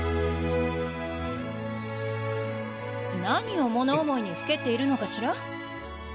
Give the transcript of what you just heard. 何を物思いにふけっているのかしら？